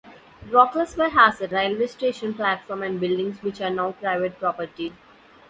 Brocklesby has a railway station platform and buildings which are now private property.